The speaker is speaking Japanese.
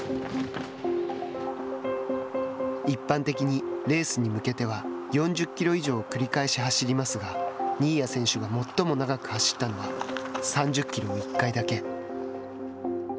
一般的に、レースに向けては４０キロ以上を繰り返し走りますが新谷選手が最も長く走ったのは３０キロを１回だけ。